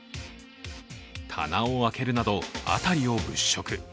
棚を開けるなど辺りを物色。